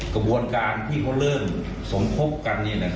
กระบวนการที่เขาเริ่มสมคบกัน